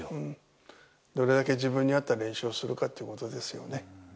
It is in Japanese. どれだけ自分に合った練習をするかということですよね。